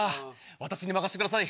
私に任せてください。